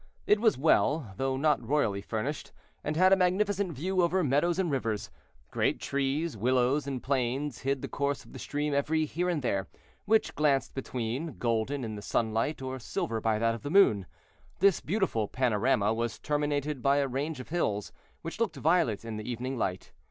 It was well, though not royally furnished, and had a magnificent view over meadows and rivers. Great trees, willows, and planes hid the course of the stream every here and there, which glanced between, golden in the sunlight, or silver by that of the moon. This beautiful panorama was terminated by a range of hills, which looked violet in the evening light.